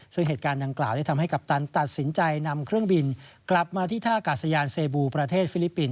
ซึ่งเหตุการณ์ดังกล่าวได้ทำให้กัปตันตัดสินใจนำเครื่องบินกลับมาที่ท่ากาศยานเซบูประเทศฟิลิปปินส